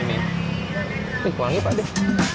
ini kuanggit pak